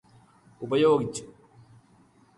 ഉപയോഗിച്ചു